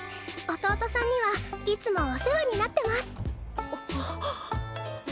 弟さんにはいつもお世話になってます。